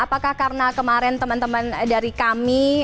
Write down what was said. apakah karena kemarin teman teman dari kami